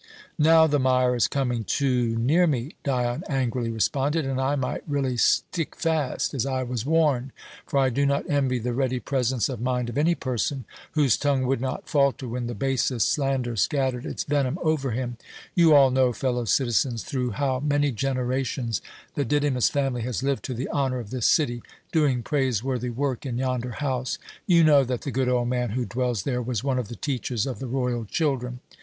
"Now the mire is coming too near me," Dion angrily responded, "and I might really stick fast, as I was warned; for I do not envy the ready presence of mind of any person whose tongue would not falter when the basest slander scattered its venom over him. You all know, fellow citizens, through how many generations the Didymus family has lived to the honour of this city, doing praiseworthy work in yonder house. You know that the good old man who dwells there was one of the teachers of the royal children."